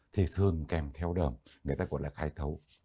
thì thường kèm theo đờm người ta gọi là khái thấu